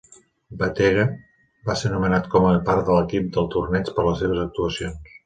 Bettega va ser nomenat com a part de l'equip del torneig per les seves actuacions.